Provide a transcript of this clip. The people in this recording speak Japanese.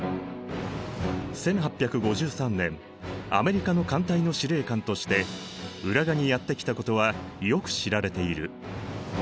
１８５３年アメリカの艦隊の司令官として浦賀にやって来たことはよく知られている。